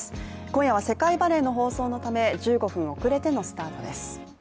今夜は世界バレー放送のため１５分遅れてのスタートです。